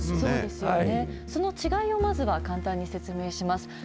その違いをまずは簡単に説明します。